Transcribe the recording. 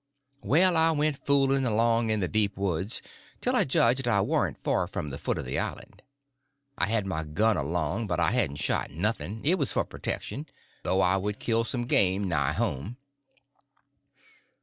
Well, I went fooling along in the deep woods till I judged I warn't far from the foot of the island. I had my gun along, but I hadn't shot nothing; it was for protection; thought I would kill some game nigh home.